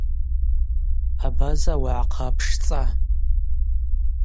Абаза уагӏахъа пшцӏа.